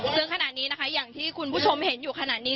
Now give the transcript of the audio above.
ซึ่งขณะนี้นะคะอย่างที่คุณผู้ชมเห็นอยู่ขนาดนี้